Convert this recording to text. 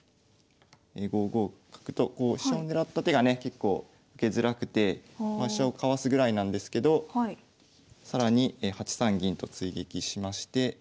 ５五角と飛車を狙った手がね結構受けづらくてまあ飛車をかわすぐらいなんですけど更に８三銀と追撃しまして。